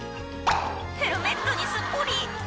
「ヘルメットにすっぽり」